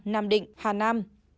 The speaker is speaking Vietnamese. nam định hà nam